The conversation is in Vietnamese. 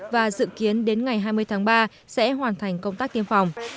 và dự kiến đến ngày hai mươi tháng ba sẽ hoàn thành công tác tiêm phòng